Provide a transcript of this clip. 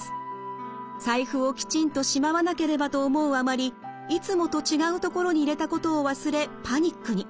財布をきちんとしまわなければと思うあまりいつもと違う所に入れたことを忘れパニックに。